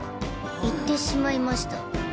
行ってしまいました。